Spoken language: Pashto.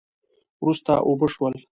وروسته اوبه شول